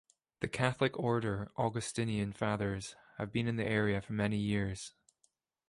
The Catholic order Augustinian Fathers have been in the area for many years.